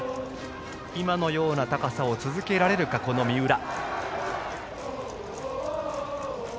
今のような高さを続けられるかこの三浦。